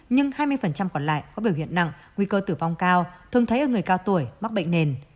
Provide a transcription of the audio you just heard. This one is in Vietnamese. nhưng hai mươi còn lại có biểu hiện nặng nguy cơ tử vong cao thường thấy ở người cao tuổi mắc bệnh nền